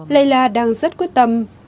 layla đang rất quyết tâm